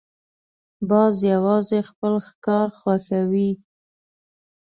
باز یوازې خپل ښکار خوښوي